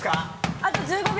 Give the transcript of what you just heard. あと５秒！